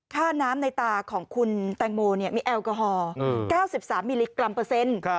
ค่าน้ำในตาของคุณแตงโมมีแอลกอฮอล๙๓มิลลิกรัมเปอร์เซ็นต์